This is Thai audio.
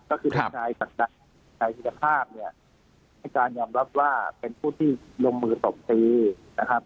ก็คือนายธิรภาพเนี่ยให้การยอมรับว่าเป็นผู้ที่ลงมือตบตีนะครับ